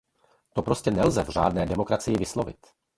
To prostě nelze v řádné demokracii vyslovit.